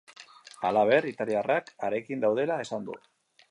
Halaber, italiarrak harekin daudela esan du.